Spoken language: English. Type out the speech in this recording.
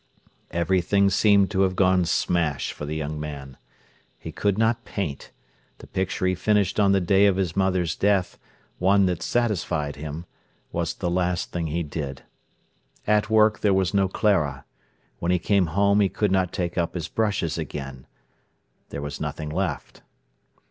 Everything seemed to have gone smash for the young man. He could not paint. The picture he finished on the day of his mother's death—one that satisfied him—was the last thing he did. At work there was no Clara. When he came home he could not take up his brushes again. There was nothing left.